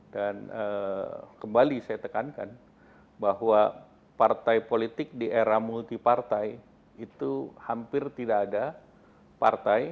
dan kembali saya tekankan bahwa partai politik di era multipartai itu hampir tidak ada partai